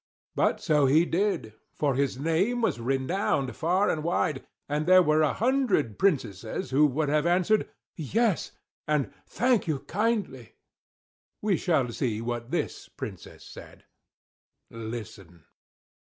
But so he did; for his name was renowned far and wide; and there were a hundred princesses who would have answered, "Yes!" and "Thank you kindly." We shall see what this princess said. Listen!